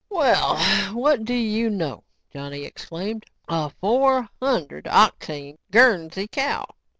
"Well, what do you know," Johnny exclaimed, "a four hundred octane Guernsey cow!"